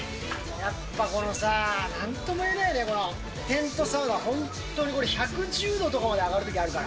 やっぱこのさ、なんとも言えないよね、このテントサウナ、本当にこれ、１１０度とかまで上がるときあるから。